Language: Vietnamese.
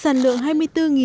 sản lượng hai mươi bốn tỷ đồng